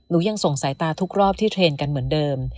ยังส่งสายตาทุกรอบที่เทรนด์กันเหมือนเดิม